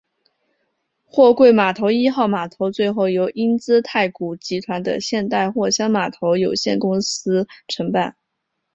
货柜码头一号码头最后由英资太古集团的现代货箱码头有限公司承办。